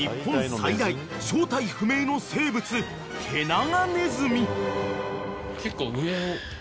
最大正体不明の生物ケナガネズミ］